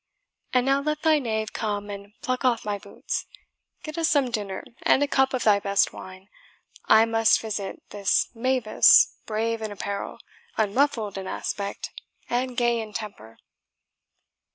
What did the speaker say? And now let thy knave come and pluck off my boots. Get us some dinner, and a cup of thy best wine. I must visit this mavis, brave in apparel, unruffled in aspect, and gay in temper."